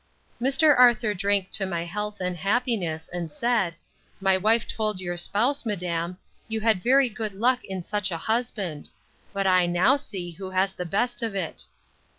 Mr. Arthur drank to my health and happiness, and said, My wife told your spouse, madam, you had very good luck in such a husband; but I now see who has the best of it.